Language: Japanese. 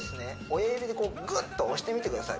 親指でぐっと押してみてください